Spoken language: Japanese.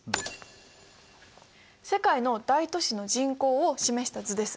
世界の大都市の人口を示した図です。